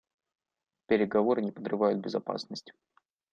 Переговоры не подрывают безопасность.